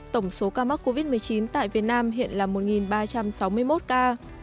tổng số ca mắc covid một mươi chín tại việt nam hiện là một ba trăm sáu mươi một ca